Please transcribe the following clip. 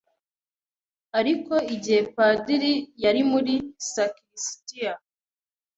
Ariko igihe padiri yari mu sakrisitiya